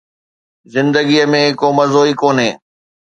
زندگيءَ ۾ ڪو مزو ئي ڪونهي